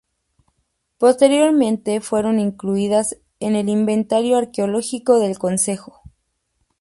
Posteriormente fueron incluidas en el inventario arqueológico del concejo.